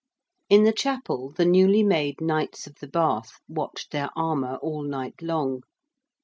In the Chapel the newly made Knights of the Bath watched their armour all night long.